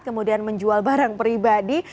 kemudian menjual barang pribadi